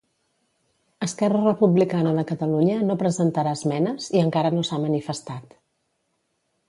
Esquerra Republicana de Catalunya no presentarà esmenes i encara no s'ha manifestat.